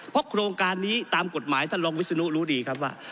เพราะโครงการนี้ตามกฎหมายท่านรองวิศนุรู้ดีครับว่า